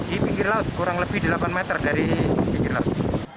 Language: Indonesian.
di pinggir laut kurang lebih delapan meter dari pinggir laut